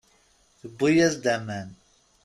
Tewwi-as-d aman.